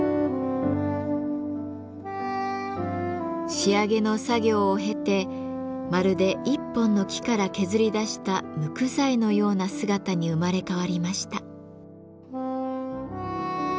仕上げの作業を経てまるで１本の木から削り出したむく材のような姿に生まれ変わりました。